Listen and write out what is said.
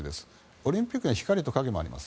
オリンピックには光と影もあります。